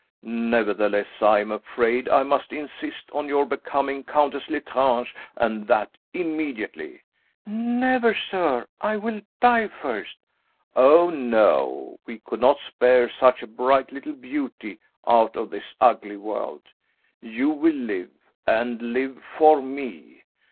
Nevertheless, I'm afraid I must insist on your becoming Countess L'Estrange, and that immediately!" "Never, sir! I will die first!" "Oh, no! We could not spare such a bright little beauty out of this ugly world! You will live, and live for me!"